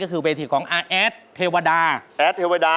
ก็คือเวทีของอาแอดเทวดาแอดเทวดา